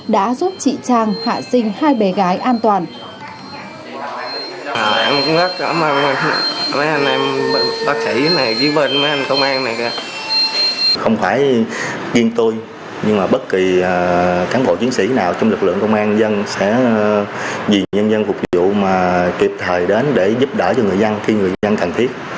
đã giúp chị trang hạ sinh hai bé gái an toàn